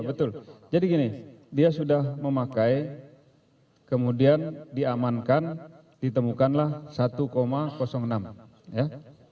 betul jadi gini dia sudah memakai kemudian diamankan ditemukanlah satu enam ya